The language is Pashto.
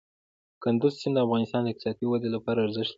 کندز سیند د افغانستان د اقتصادي ودې لپاره ارزښت لري.